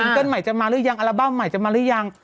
เกิ้ลใหม่จะมาหรือยังอัลบั้มใหม่จะมาหรือยัง